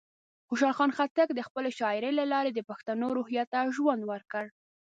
خوشحال خان خټک د خپلې شاعرۍ له لارې د پښتنو روحیه ته ژوند ورکړ.